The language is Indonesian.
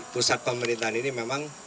pusat pemerintahan ini memang